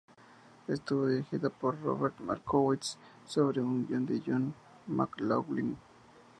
Estuvo dirigida por Robert Markowitz sobre un guion de John J. McLaughlin.